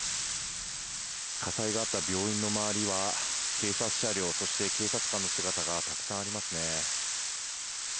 火災があった病院の周りは警察車両、警察官の姿がたくさんありますね。